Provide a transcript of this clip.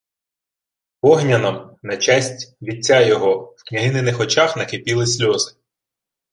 — Огняном, на честь... вітця його. В княгининих очах накипіли сльози.